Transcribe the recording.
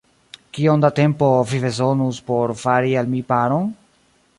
Kiom da tempo vi bezonus por fari al mi paron?